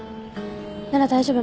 なら大丈夫。